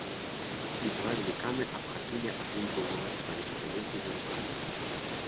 І два веліканы абхапілі адзін другога сваімі жалезнымі рукамі.